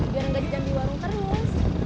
biar gak di jambi warung terus